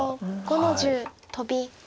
黒５の十トビ。